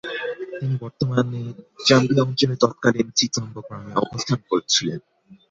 তিনি বর্তমান জাম্বিয়া অঞ্চলে তৎকালীন চিতাম্বো গ্রামে অবস্থান করছিলেন।